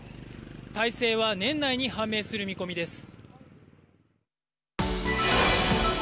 大勢は年内に判明する見込みです。